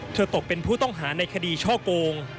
ตกเป็นผู้ต้องหาในคดีช่อโกง